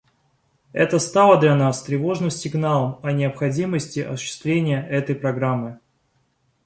Это стало для нас тревожным сигналом о необходимости осуществления этой программы.